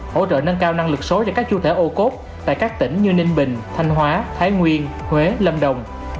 hỗ trợ nâng cao năng lực số cho các chủ thể ô cốt tại các tỉnh như ninh bình thanh hóa thái nguyên huế lâm đồng